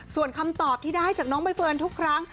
ส่วนคำตอบที่ได้จากน้องใบเฟิร์นทุกครั้ง